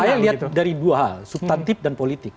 saya lihat dari dua hal subtantif dan politik